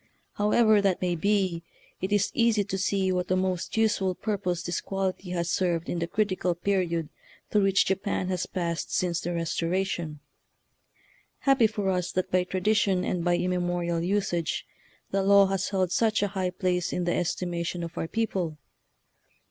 However that may be, it is easy to see what a most useful pur pose this quality has served in the critical period through which Japan has passed since the Restoration. Happy for us that by tradition and by immemorial usage the law has held such a high place in the estimation of our people!